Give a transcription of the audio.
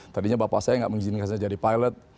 tadinya bapak saya nggak mengizinkan saya jadi pilot